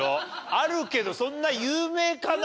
あるけどそんな有名かな？